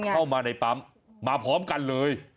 เข้ามาในปั๊มมาพร้อมกันเลย